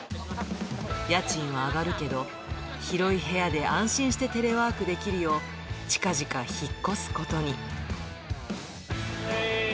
家賃は上がるけど、広い部屋で安心してテレワークできるよう、近々引っ越すことに。